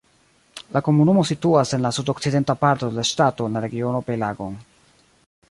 La komunumo situas en la sudokcidenta parto de la ŝtato en la regiono Pelagon.